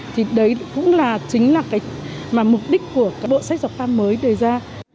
thì đấy cũng là chính là cái mục đích của cái bộ sách giáo khoa mới đưa ra